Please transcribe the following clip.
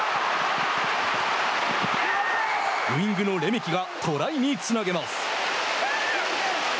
ウイングのレメキがトライにつなげます。